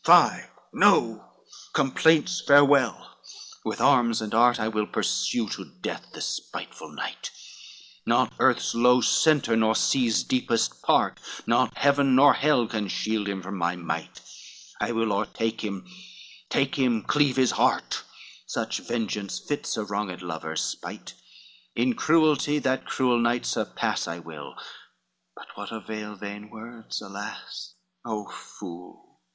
LXIII "Fie no! complaints farewell! with arms and art I will pursue to death this spiteful knight, Not earth's low centre, nor sea's deepest part, Not heaven, nor hell, can shield him from my might, I will o'ertake him, take him, cleave his heart, Such vengeance fits a wronged lover's spite, In cruelty that cruel knight surpass I will, but what avail vain words, alas? LXIV "O fool!